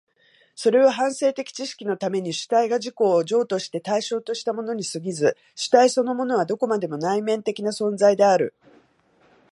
それは反省的知識のために主体が自己を譲渡して対象としたものに過ぎず、主体そのものはどこまでも内面的な存在である。